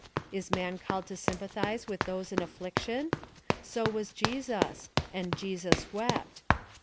Is man called to sympathize with those in affliction 1 So was Jesus • and Jestis wept!